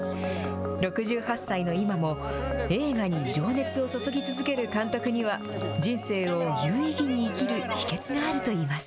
６８歳の今も、映画に情熱を注ぎ続ける監督には、人生を有意義に生きる秘けつがあるといいます。